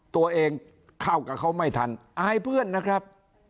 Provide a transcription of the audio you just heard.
ตัวเองเข้ากับเขาไม่ทันอายเพื่อนนะครับ